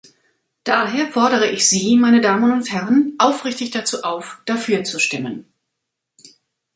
Daher fordere ich Sie, meine Damen und Herren, aufrichtig dazu auf, dafür zu stimmen.